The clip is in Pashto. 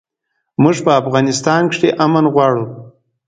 موږ په افغانستان کښې امن غواړو